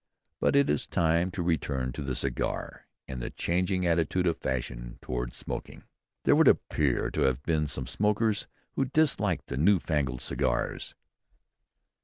But it is time to return to the cigar, and the changing attitude of fashion towards smoking. There would appear to have been some smokers who disliked the new fangled cigars.